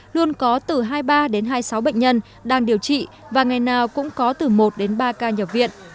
luôn có từ hai mươi ba đến hai mươi sáu bệnh nhân đang điều trị và ngày nào cũng có từ một đến ba ca nhập viện